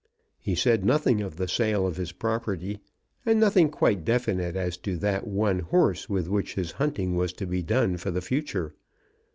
He said nothing of the sale of his property, and nothing quite definite as to that one horse with which his hunting was to be done for the future.